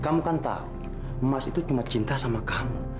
kamu kan tahu emas itu cuma cinta sama kamu